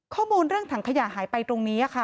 ข้อมูลเรื่องถังขยะหายไปตรงนี้ค่ะ